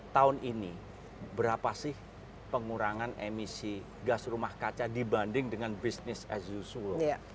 tahun ini berapa sih pengurangan emisi gas rumah kaca dibanding dengan business as usual